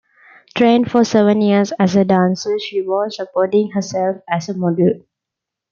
Trained for seven years as a dancer, she was supporting herself as a model.